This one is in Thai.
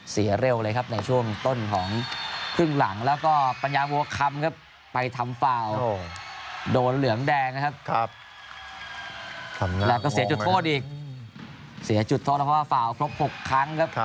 เสียจุดโทษแล้วเพราะว่าฟาวครบ๖ครั้งครับ